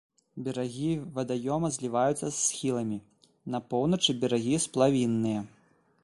Берагі вадаёма зліваюцца з схіламі, на поўначы берагі сплавінныя.